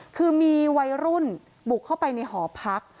คือมีวัยรุ่นบุกเข้าไปในหอพัก